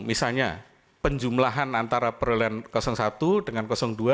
misalnya penjumlahan antara perolehan satu dengan dua